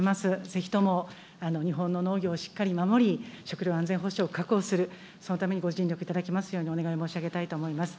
ぜひとも日本の農業をしっかり守り、食料安全保障を確保する、そのためにご尽力いただきますように、お願い申し上げたいと思います。